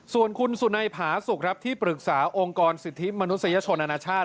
ส่วนคุณสุนัยผาสุกครับที่ปรึกษาองค์กรสิทธิมนุษยชนอนาชาติ